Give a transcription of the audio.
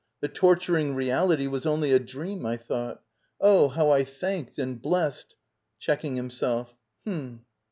The torturing reality was only a dream, I thought. Oh^ how I thanked and blessed — [Checking himseli] H'm!